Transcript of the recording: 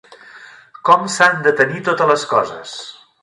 Com s'han de tenir totes les coses.